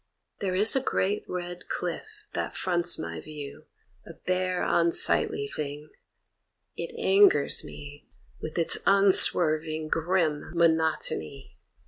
There is a great red cliff that fronts my view A bare, unsightly thing; it angers me With its unswerving grim monotony.